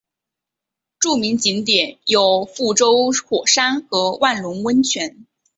著名景点有覆舟火山和万隆温泉。